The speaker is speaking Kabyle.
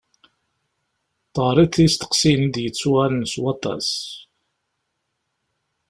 Teɣriḍ isteqsiyen i d-yettuɣalen s waṭas.